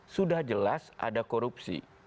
sudah jelas ada korupsi